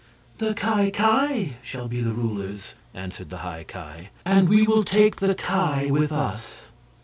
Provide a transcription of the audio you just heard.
"The Ki Ki shall be the rulers," answered the High Ki, "and we will take the Ki with us."